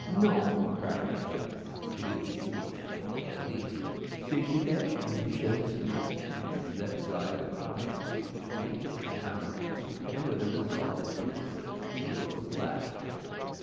"Non!" cried Henri, who didn't see the animal in the least; "say you dat? ve shall see;" and he let fly with a promptitude that amazed his comrades, and with a result that drew from them peals of laughter.